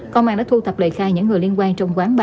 công an đã thu thập lời khai những người liên quan trong quán bar